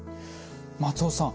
松尾さん